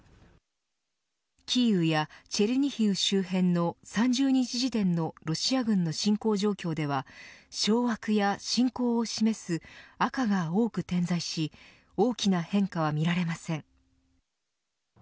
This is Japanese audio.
キーウやチェルニヒウ周辺の３０日時点のロシア軍の侵攻状況では掌握や侵攻を示す赤が多く点在し大きな変化は見られません。